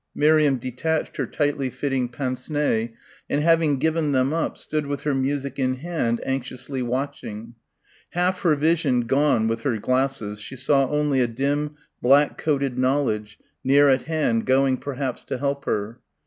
Miriam detached her tightly fitting pince nez and having given them up stood with her music in hand anxiously watching. Half her vision gone with her glasses, she saw only a dim black coated knowledge, near at hand, going perhaps to help her.